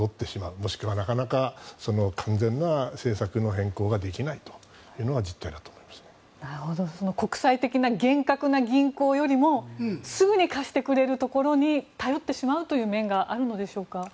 もしくは、なかなか完全な政策の変更ができないのが国際的な厳格な銀行よりもすぐに貸してくれるところに頼ってしまうという面があるのでしょうか。